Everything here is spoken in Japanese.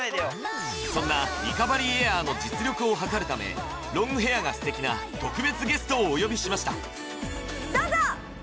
そんなリカバリーエアーの実力を測るためロングヘアが素敵な特別ゲストをお呼びしましたどうぞ！